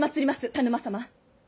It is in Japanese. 田沼様。